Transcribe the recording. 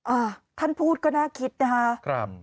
อ่าท่านพูดก็น่าคิดนะฮะ